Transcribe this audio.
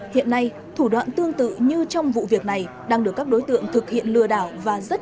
hiện nay thủ đoạn tương tự như trong vụ việc này đang được các đối tượng thực hiện lừa đảo và rất